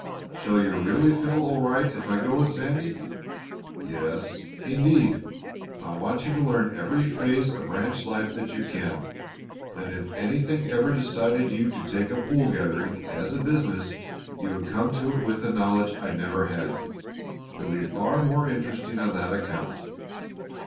"Shall you really feel all right if I go with Sandy?" "Yes, indeed. I want you to learn every phase of ranch life that you can. Then if anything ever decided you to take up wool growing as a business you would come to it with a knowledge I never had. It would be far more interesting on that account.